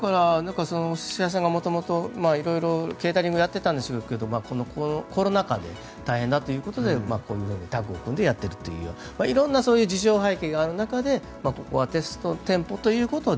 お寿司屋さんが元々ケータリングをやってたんでしょうけどコロナ禍で大変ということでこういうふうにタッグを組んでやっていると色々な事情、背景がある中でテスト店舗ということで。